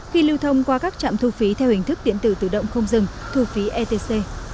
khi lưu thông qua các trạm thu phí theo hình thức điện tử tự động không dừng thu phí etc